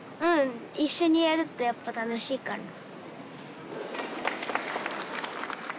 一緒にやるとやっぱ楽しいかな。